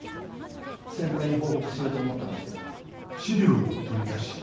先輩に報告しようと思ったんですけど。